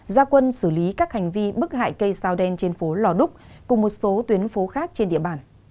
gia quân xử lý các hành vi bức hại cây sao đen trên phố lò đúc cùng một số tuyến phố khác trên địa bàn